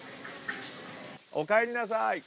おかえりなさい。